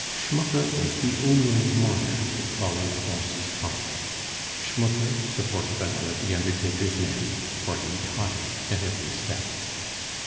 Schmucke was the only mourner that followed Pons' coffin; Schmucke, supported by one of the undertaker's men, for he tottered at every step.